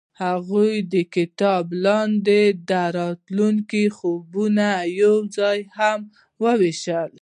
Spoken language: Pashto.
هغوی د کتاب لاندې د راتلونکي خوبونه یوځای هم وویشل.